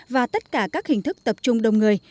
và tất cả các hình thức tập trung đông người